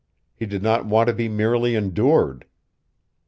He did not want to be merely endured.